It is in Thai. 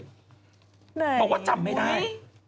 บอกว่าจำไม่ได้